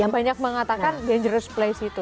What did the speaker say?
yang banyak mengatakan dangerous place itu